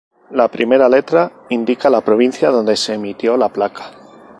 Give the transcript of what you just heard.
La primera letra indica la provincia donde se emitió la placa.